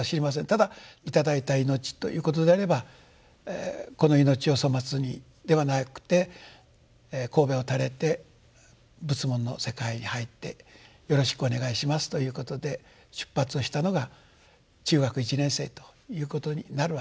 ただ頂いた命ということであればこの命を粗末にではなくてこうべを垂れて仏門の世界に入ってよろしくお願いしますということで出発をしたのが中学１年生ということになるわけです。